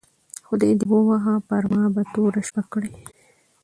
خدای دي ووهه پر ما به توره شپه کړې